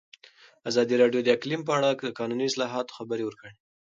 ازادي راډیو د اقلیم په اړه د قانوني اصلاحاتو خبر ورکړی.